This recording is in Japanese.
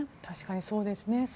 確かにそうですね。